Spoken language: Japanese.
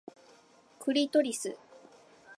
クリトリス